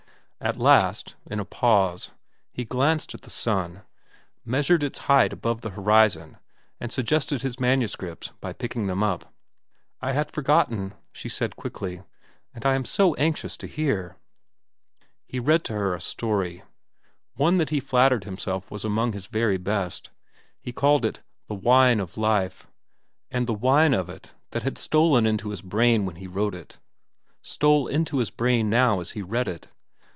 At last, in a pause, he glanced at the sun, measured its height above the horizon, and suggested his manuscripts by picking them up. "I had forgotten," she said quickly. "And I am so anxious to hear." He read to her a story, one that he flattered himself was among his very best. He called it "The Wine of Life," and the wine of it, that had stolen into his brain when he wrote it, stole into his brain now as he read it.